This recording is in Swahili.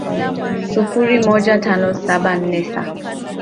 sifuri moja tano saba nne sa